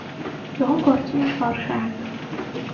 Գյուղում գործում էր վարժարան։